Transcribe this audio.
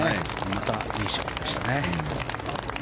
いいショットでしたね。